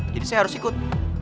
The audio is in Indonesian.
jadi saya harus ikut